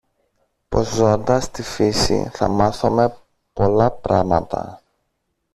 πως ζώντας στη φύση θα μάθομε πολλά πράματα;